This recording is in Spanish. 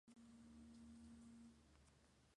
Cuenta con pistas de fútbol y baloncesto.